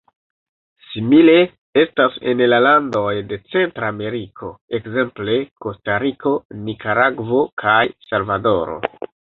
Simile estas en la landoj de Centra Ameriko, ekzemple Kostariko, Nikaragvo kaj Salvadoro.